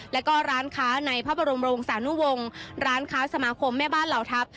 แล้วก็ร้านค้าในพระบรมโรงศานุวงศ์ร้านค้าสมาคมแม่บ้านเหล่าทัพ